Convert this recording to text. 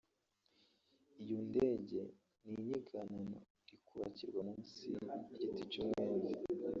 Iyo ndege y’inyiganano iri kubakirwa munsi y’igiti cy’umwembe